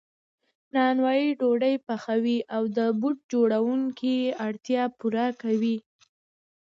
نانوای ډوډۍ پخوي او د بوټ جوړونکي اړتیا پوره کوي